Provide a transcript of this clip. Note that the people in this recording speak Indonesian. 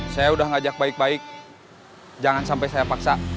saya udah ngajak baik baik jangan sampai saya paksa